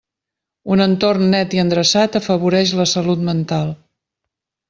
Un entorn net i endreçat afavoreix la salut mental.